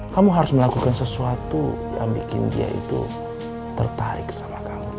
kamu harus melakukan sesuatu yang bikin dia itu tertarik sama kamu